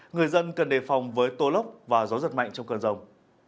người dân cần đề phòng với tô lốc và gió giật mạnh trong cơn rông